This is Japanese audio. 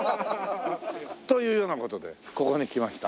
というような事でここに来ました。